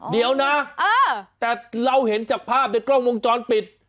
เดี๋ยวนะแต่เราเห็นจากภาพในกล้องวงจรปิด